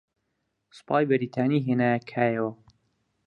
سوپای بەریتانی ھێنایانە کایەوە